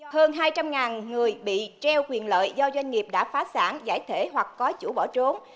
hơn hai trăm linh người bị treo quyền lợi do doanh nghiệp đã phá sản giải thể hoặc có chủ bỏ trốn